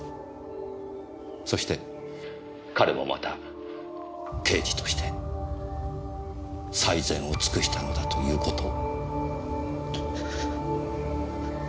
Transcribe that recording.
そして彼もまた刑事として最善を尽くしたのだという事を。